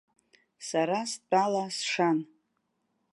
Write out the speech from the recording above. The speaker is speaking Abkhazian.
Сара стәала сшан.